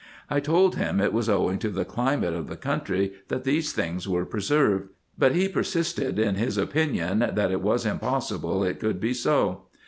I told him, it was owing to the climate of the country that these things were preserved ; but he persisted in his opinion, that it was impossible it could be so.